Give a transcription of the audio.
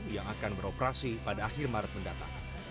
yang akan beroperasi pada akhir maret mendatang